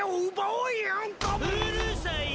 うるさいよ？